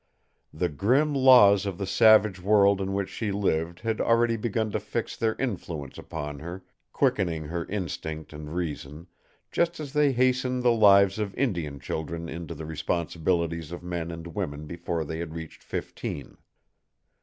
The grim laws of the savage world in which she lived had already begun to fix their influence upon her, quickening her instinct and reason, just as they hastened the lives of Indian children into the responsibilities of men and women before they had reached fifteen.